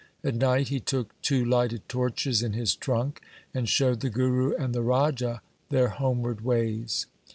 At night he took two lighted torches in his trunk, and showed the Guru and the Raja their homeward ways.